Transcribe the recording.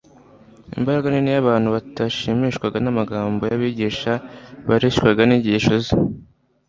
Imbaga nini y’abantu batashimishwaga n’amagambo y’abigisha bareshywaga n’inyigisho Ze